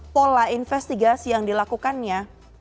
pola investigasi yang dilakukannya